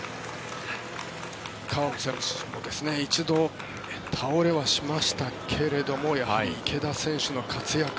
川野選手も一度倒れはしましたがやはり、池田選手の活躍